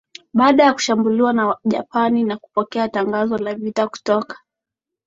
baada ya kushambuliwa na Japani na kupokea tangazo la vita kutoka